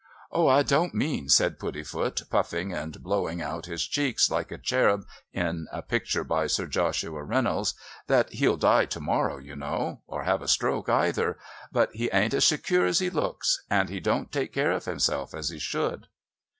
"Oh, I don't mean," said Puddifoot, puffing and blowing out his cheeks like a cherub in a picture by Sir Joshua Reynolds, "that he'll die to morrow, you know or have a stroke either. But he ain't as secure as he looks. And he don't take care of himself as he should."